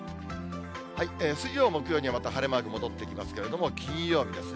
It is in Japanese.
水曜、木曜にはまた晴れマーク戻ってきますけども、金曜日ですね。